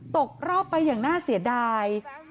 ตกรอบไปอย่างน่าเสียดาย